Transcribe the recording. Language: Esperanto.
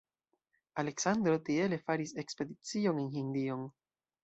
Aleksandro tiele faris ekspedicion en Hindion.